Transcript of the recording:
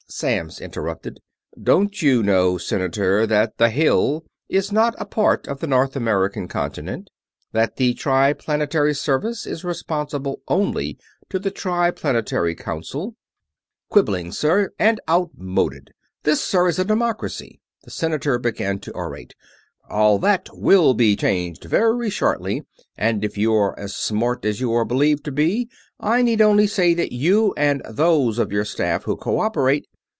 Samms interrupted. "Don't you know, Senator, that the Hill is not a part of the North American Continent? That the Triplanetary Service is responsible only to the Triplanetary Council?" "Quibbling, sir, and outmoded! This, sir, is a democracy!" the Senator began to orate. "All that will be changed very shortly, and if you are as smart as you are believed to be, I need only say that you and those of your staff who cooperate...."